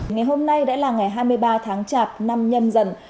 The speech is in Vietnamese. ngày hôm nay đã là ngày hai mươi ba tháng chạp năm nhân dần